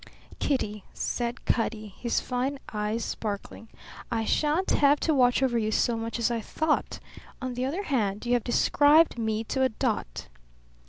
"Kitty," said Cutty, his fine eyes sparkling, "I shan't have to watch over you so much as I thought. On the other hand, you have described me to a dot."